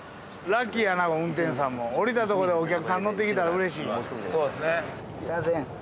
ラッキーやな運転士さんも降りたとこでお客さん乗ってきたらうれしいやん。